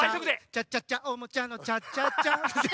「チャチャチャおもちゃのチャチャチャ」